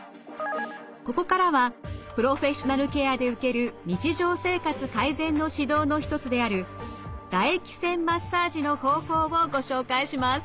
ここからはプロフェッショナルケアで受ける日常生活改善の指導の一つである唾液腺マッサージの方法をご紹介します。